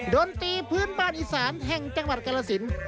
ดนตรีพื้นบ้านอีสานแห่งจังหวัดกรสิน